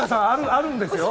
あるんですよ。